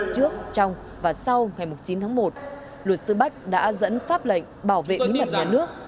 trước trong và sau ngày chín tháng một luật sư bách đã dẫn pháp lệnh bảo vệ bí mật nhà nước